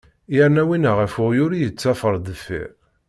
Yerna winna ɣef uɣyul i yeṭṭafar deffir.